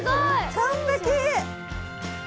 完璧！